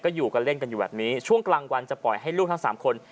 อยู่กันเล่นกันอยู่แบบนี้ช่วงกลางวันจะปล่อยให้ลูกทั้งสามคน